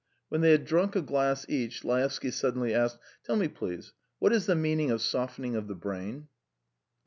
When they had drunk a glass each, Laevsky suddenly asked: "Tell me, please, what is the meaning of softening of the brain?"